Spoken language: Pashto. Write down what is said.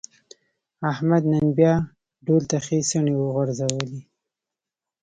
احمد نن بیا ډول ته ښې څڼې غورځولې.